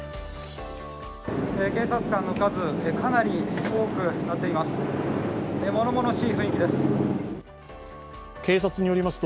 警察官の数、かなり多くなっています。